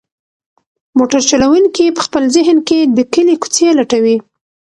موټر چلونکی په خپل ذهن کې د کلي کوڅې لټوي.